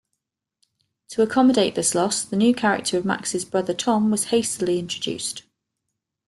To accommodate this loss, the new character of Max's brother Tom was hastily introduced.